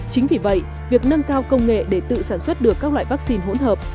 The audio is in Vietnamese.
chính vì vậy việc nâng cao công nghệ để tự sản xuất được các loại vắc xin hỗn hợp